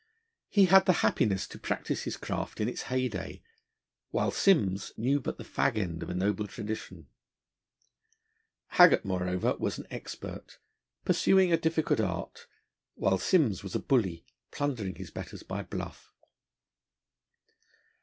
He had the happiness to practise his craft in its heyday, while Simms knew but the fag end of a noble tradition. Haggart, moreover, was an expert, pursuing a difficult art, while Simms was a bully, plundering his betters by bluff.